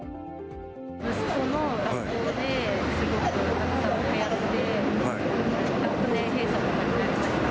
息子の学校ですごくはやって、学年閉鎖になりました。